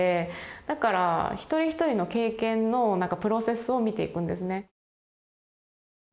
だから一人一人の経験のプロセスを見ていくんですね。